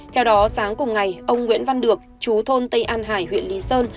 theo đó sáng cùng ngày ông nguyễn văn được chú thôn tây an hải huyện lý sơn